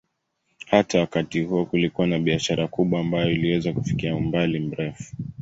Hata wakati huo kulikuwa na biashara kubwa ambayo iliweza kufikia umbali mrefu.